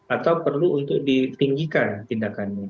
atau perlu untuk ditinggikan tindakannya